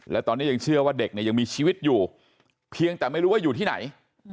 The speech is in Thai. และตอนนี้ยังเชื่อว่าเด็กเนี่ยยังมีชีวิตอยู่เพียงแต่ไม่รู้ว่าอยู่ที่ไหน